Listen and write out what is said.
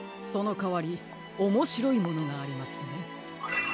そのかわりおもしろいものがありますね。